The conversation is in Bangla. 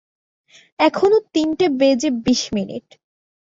এখনো তিনটে বেজে বিশ মিনিট।